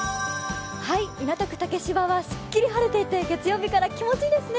港区竹芝はすっきり晴れていて月曜日から気持ちいいですね。